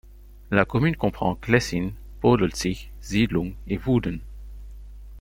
La commune comprend Klessin, Podelzig, Siedlung et Wuhden.